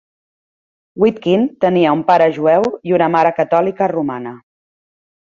Witkin tenia un pare jueu i una mare catòlica romana.